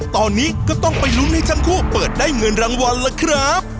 ตอนนี้ก็ต้องไปลุ้นให้ทั้งคู่เปิดได้เงินรางวัลล่ะครับ